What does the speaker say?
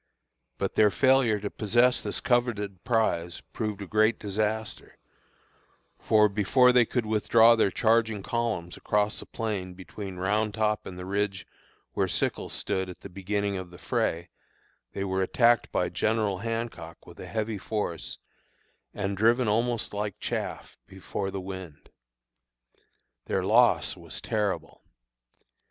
But their failure to possess this coveted prize proved a great disaster; for before they could withdraw their charging columns across the plain between Round Top and the ridge where Sickles stood at the beginning of the fray, they were attacked by General Hancock with a heavy force, and driven almost like chaff before the wind. Their loss was terrible.